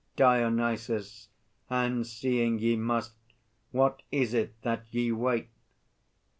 DIONYSUS. And seeing ye must, what is it that ye wait?